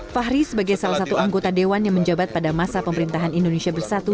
fahri sebagai salah satu anggota dewan yang menjabat pada masa pemerintahan indonesia bersatu